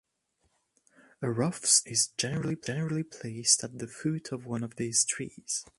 A rough stone is generally placed at the foot of one of these trees.